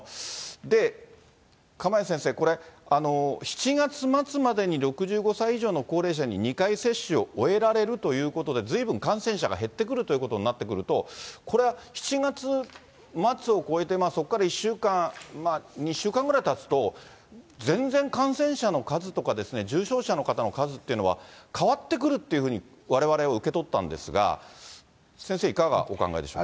で、釜萢先生、これ、７月末までに６５歳以上の高齢者に２回接種を終えられるということで、ずいぶん感染者が減ってくるということになってくると、これは７月末を超えてそこから１週間、２週間ぐらいたつと、全然感染者の数とか重症者の方の数っていうのは、変わってくるというふうに、われわれは受け取ったんですが、先生、いかがお考えでしょうか。